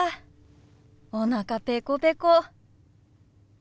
おなかペコペコ。